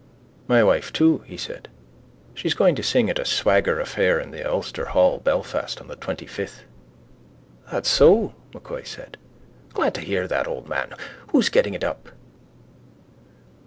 —My wife too, he said. She's going to sing at a swagger affair in the Ulster Hall, Belfast, on the twentyfifth. —That so? M'Coy said. Glad to hear that, old man. Who's getting it up?